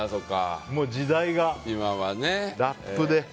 時代がラップで。